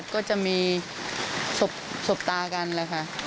ก็มีสบตากันเลยค่ะ